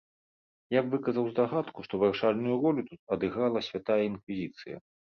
Я б выказаў здагадку, што вырашальную ролю тут адыграла святая інквізіцыя.